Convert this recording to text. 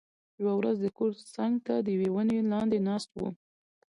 یوه ورځ د کور څنګ ته د یوې ونې لاندې ناست و،